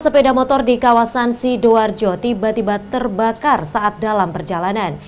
sepeda motor di kawasan sidoarjo tiba tiba terbakar saat dalam perjalanan